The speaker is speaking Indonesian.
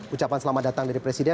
ucapan selamat datang dari presiden